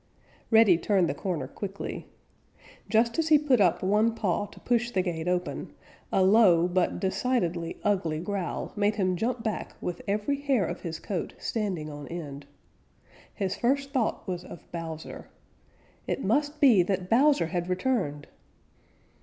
Reddy turned the corner quickly. Just as he put up one paw to push the gate open, a low but decidedly ugly growl made him jump back with every hair of his coat standing on end. His first thought was of Bowser. It must be that Bowser had returned!